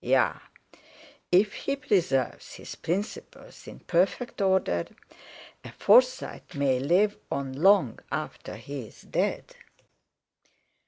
Yea! If he preserve his principles in perfect order, a Forsyte may live on long after he is dead.